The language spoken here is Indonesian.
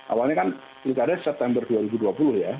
awalnya kan pilkada september dua ribu dua puluh ya